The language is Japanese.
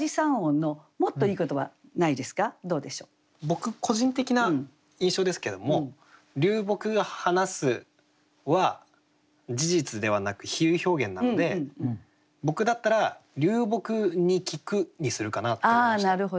僕個人的な印象ですけども「流木が話す」は事実ではなく比喩表現なので僕だったら「流木に聞く」にするかなって思いました。